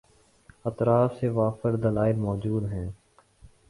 اطراف سے وافر دلائل مو جود ہیں۔